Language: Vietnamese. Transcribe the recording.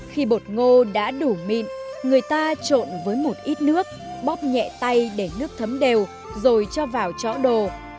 khi bột ngô đã đủ mịn người ta trộn với một ít nước bóp nhẹ tay để nước thấm đều rồi cho vào chó đồ